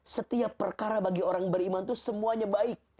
setiap perkara bagi orang beriman itu semuanya baik